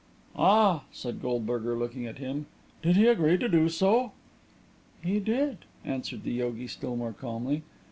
"Ah!" and Goldberger looked at him. "Did he agree to do so?" "He did," answered the yogi, still more calmly.